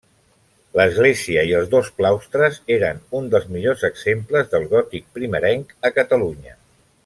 L'església i els dos claustres eren un dels millors exemples del gòtic primerenc a Catalunya.